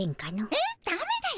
えっダメだよ